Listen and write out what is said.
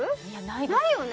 ないよね。